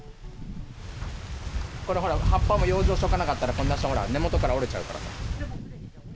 これ、葉っぱも養生しておかなかったら、こんな、根元から折れちゃうから。